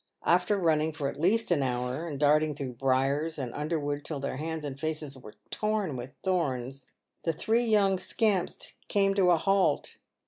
After running for at least an hour, and darting through briers and underwood till their hands and faces were torn with thorns, the three young scamps came to a halt.